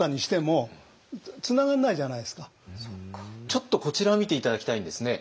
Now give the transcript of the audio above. ちょっとこちらを見て頂きたいんですね。